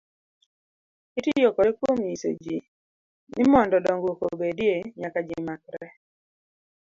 Itiyo kode kuom nyiso ji, ni mondo dongruok obedie, nyaka ji makre.